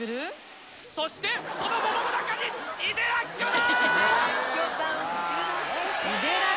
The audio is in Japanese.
そしてその桃の中に井手らっきょだ！」